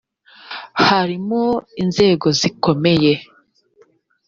harimo inzego zikomeye